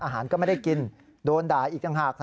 อาหารก็ไม่ได้กินโดนด่าอีกต่างหาก